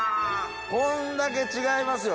こんだけ違いますよ。